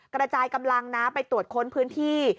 กระจายกำลังนะไปตรวจค้นพื้นที่